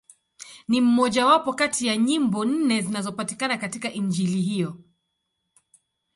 Ni mmojawapo kati ya nyimbo nne zinazopatikana katika Injili hiyo.